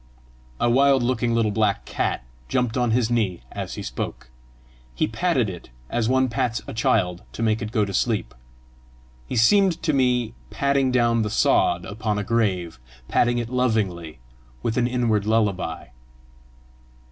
A wild looking little black cat jumped on his knee as he spoke. He patted it as one pats a child to make it go to sleep: he seemed to me patting down the sod upon a grave patting it lovingly, with an inward lullaby.